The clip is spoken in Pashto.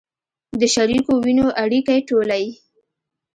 د شریکو وینو اړیکې ټولې